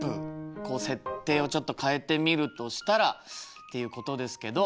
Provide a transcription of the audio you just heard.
こう設定をちょっと変えてみるとしたらっていうことですけど。